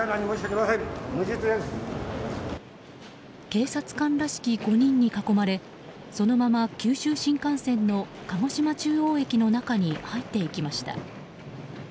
警察官らしき５人に囲まれそのまま九州新幹線の鹿児島中央駅の中に入っていきました。